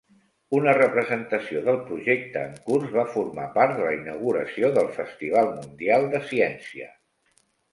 Una representació del projecte en curs va formar part de la inauguració del Festival Mundial de Ciència.